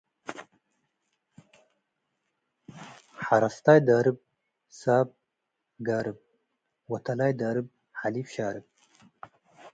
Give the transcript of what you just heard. ሐረስታይ ዳርብ ሳብ ጋርብ፡ ወተላይ ዳርብ ሐሊብ ሻርብ።